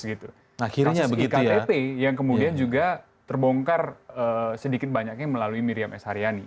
hanya iktp yang kemudian juga terbongkar sedikit banyaknya melalui miriam s haryani